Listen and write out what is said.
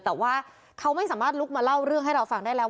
แต่ว่าเขาไม่สามารถลุกมาเล่าเรื่องให้เราฟังได้แล้ว